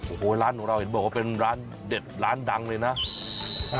โอ้โหร้านของเราเห็นบอกว่าเป็นร้านเด็ดร้านดังเลยนะ